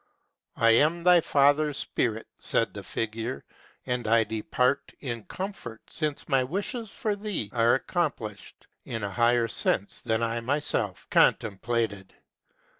" I am thy father's spirit," said the figure ;" and I depart in comfort since my wishes for thee are accomplished, in a higher sense than I myself contemplated.